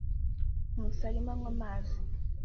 Nkusi arimo anywa amazi.